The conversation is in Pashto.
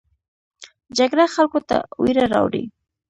جګړه خلکو ته ویره راوړي